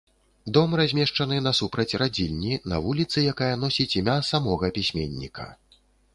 Дом размешчаны насупраць радзільні на вуліцы, якая носіць імя самога пісьменніка.